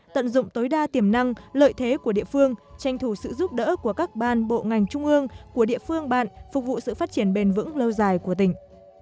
tận dụng tối đa tiềm năng lợi thế của địa phương tranh thủ sự giúp đỡ của các ban bộ ngành trung ương của địa phương bạn phục vụ sự phát triển bền vững lâu dài của tỉnh